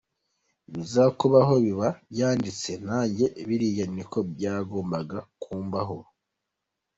Ibizakubaho biba byanditse, nanjye biriya niko byagombaga kumbaho.